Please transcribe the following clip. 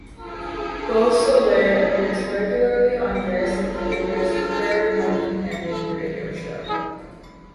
BeauSoleil appears regularly on Garrison Keillor's "Prairie Home Companion" radio show.